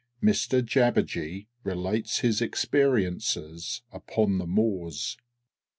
XXIV _Mr Jabberjee relates his experiences upon the Moors.